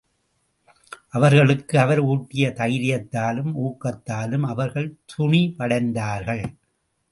அவர்களுக்கு அவர் ஊட்டிய தைரியத்தாலும், ஊக்கத்தாலும் அவர்கள் துணிவடைந்தார்கள்.